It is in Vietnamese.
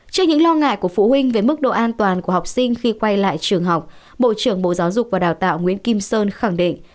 trước những lo ngại của phụ huynh về mức độ an toàn của học sinh khi quay lại trường học bộ trưởng bộ giáo dục và đào tạo nguyễn kim sơn khẳng định